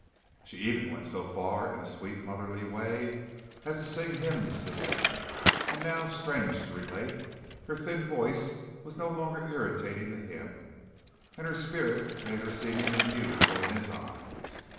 She even went so far in a sweet motherly way as to sing hymns to him, and now, strange to relate, her thin voice was no longer irritating to him, and her spirit made her seemingly beautiful in his eyes.